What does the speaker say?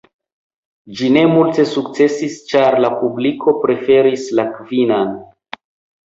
Ĝi ne multe sukcesis, ĉar la publiko preferis la Kvinan.